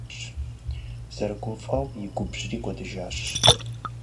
ЗэрыгуфӀэу и губжьри кӀуэдыжащ.